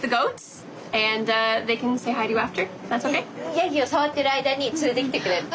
ヤギを触ってる間に連れてきてくれるって。